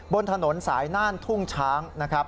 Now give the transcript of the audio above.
บนถนนสายน่านทุ่งช้างนะครับ